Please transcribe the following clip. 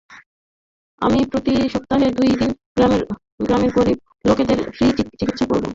আমি প্রতি সপ্তাহে দুই দিন গ্রামের গরিব লোকেদের ফ্রি চিকিৎসা করব।